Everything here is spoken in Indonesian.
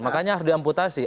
makanya harus diamputasi